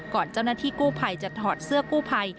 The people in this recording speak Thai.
ก่อนเจ้าหน้าที่กู้ไพ่จะถอดเสื้อกู้ไพ่